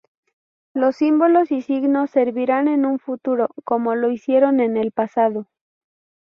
Los símbolos y signos servirán en un futuro, como lo hicieron en el pasado.